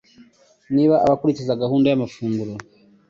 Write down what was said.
Niba abakurikiza gahunda y’amafunguro